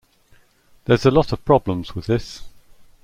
There's a lot of problems with this.